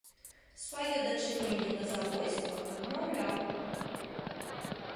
Сваё дачыненне да забойства адмаўляў.